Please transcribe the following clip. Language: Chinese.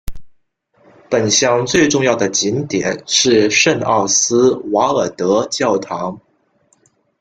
本乡最重要的景点是圣奥斯瓦尔德教堂。